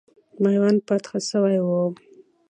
میوند فتح سوی وو.